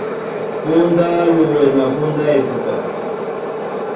Póndá á lowɛ na póndá epupa.